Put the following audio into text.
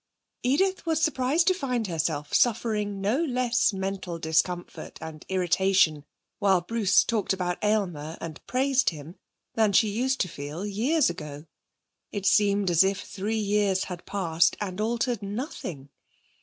Edith was surprised to find herself suffering no less mental discomfort and irritation while Bruce talked about Aylmer and praised him than she used to feel years ago. It seemed as if three years had passed and altered nothing.